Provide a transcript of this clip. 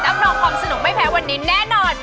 รับรองความสนุกไม่แพ้วันนี้แน่นอน